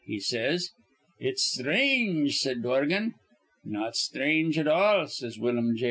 he says. 'It's sthrange,' says Dorgan. 'Not sthrange at all,' says Willum J.